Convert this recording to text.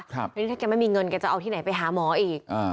ทีนี้ถ้าแกไม่มีเงินแกจะเอาที่ไหนไปหาหมออีก